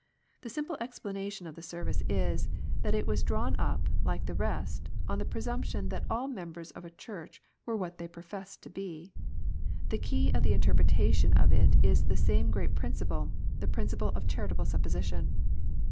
The simple explanation of the Service is, that it was drawn up, like the rest, on the pre sumption that all members of a Church were what they professed to be. The key to the interpretation of it is the same great principle, the principle of charitable supposition.